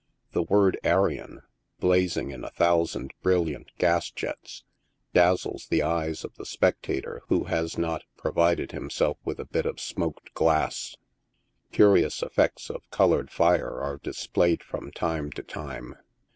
The word "Arion," blazing in a thousand brilliant gas jets, dazzles the eyes of the spectator who has not provided himself with a bit of smoked glass. Curious effects of colored fire are displayed from time to time.